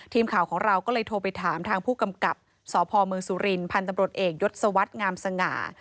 ทีมข่าวของเราก็เลยโทรไปถามทางผู้กำกับสพเมืองสุรินพันธุ์ตำรวจเอกยศวรรษงามสง่า